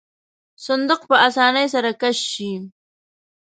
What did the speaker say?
صندوق په آسانۍ سره کش شي.